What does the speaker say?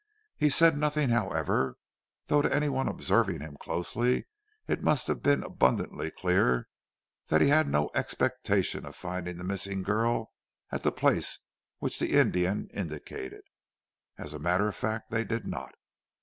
He said nothing however, though to any one observing him closely it must have been abundantly clear that he had no expectation of finding the missing girl at the place which the Indian indicated. As a matter of fact they did not.